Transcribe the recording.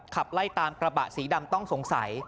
ขับไล่ตามกระบะสีดำต้องสงสัย